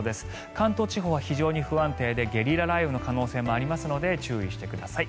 関東地方は非常に不安定でゲリラ雷雨の可能性もありますので注意してください。